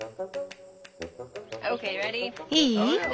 いい？